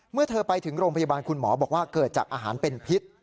เมื่อเธอไปถึงโรงพยาบาลคุณหมอบอกว่าเกิดจากอาหารเป็นพิษ